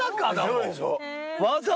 そうでしょ。